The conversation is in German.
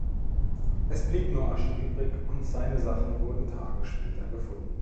Es blieb nur Asche übrig und seine Sachen wurden Tage später gefunden.